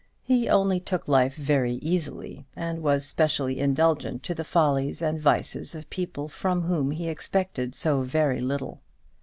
He only took life very easily, and was specially indulgent to the follies and vices of people from whom he expected so very little.